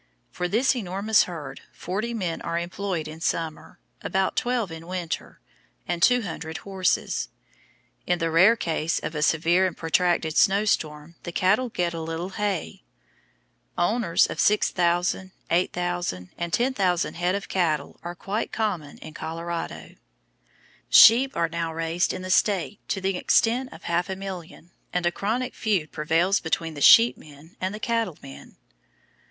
For this enormous herd 40 men are employed in summer, about 12 in winter, and 200 horses. In the rare case of a severe and protracted snowstorm the cattle get a little hay. Owners of 6,000, 8,000 and 10,000 head of cattle are quite common in Colorado. Sheep are now raised in the State to the extent of half a million, and a chronic feud prevails between the "sheep men" and the "cattle men."